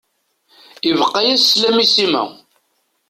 Ibeqqa-yas slam i Sima.